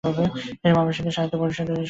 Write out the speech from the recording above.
তিনি ময়মনসিংহ সাহিত্য পরিষদ প্রতিষ্ঠা করেন।